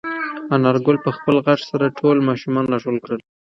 انارګل په خپل غږ سره ټول ماشومان راټول کړل.